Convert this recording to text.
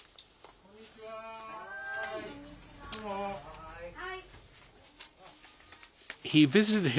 こんにちは。